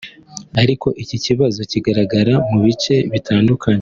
ariko iki kibazo kigaragara mu bice bitandukanye